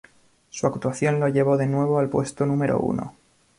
Su actuación lo llevó de nuevo al puesto número uno.